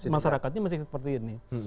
masyarakatnya masih seperti ini